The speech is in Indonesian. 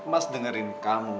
mas dengerin kamu